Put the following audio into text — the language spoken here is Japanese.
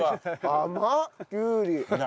甘っきゅうり。